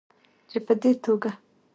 چې په دې توګه